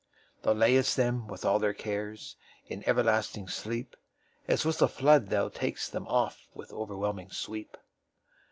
Thou layest them, with all their cares, In everlasting sleep; As with a flood Thou tak'st them offWith overwhelming sweep.